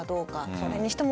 それにしても